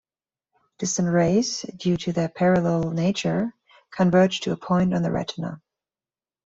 Distant rays, due to their parallel nature, converge to a point on the retina.